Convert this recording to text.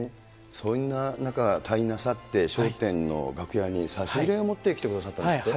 そんな中、退院なさって、笑点の楽屋に差し入れを持ってきてくださったんですって。